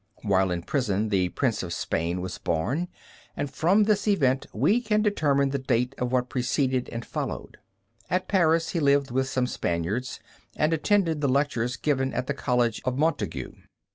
While in prison, the Prince of Spain was born, and from this event we can determine the date of what preceded and followed. At Paris he lived with some Spaniards, and attended the lectures given at the College of Montaigu.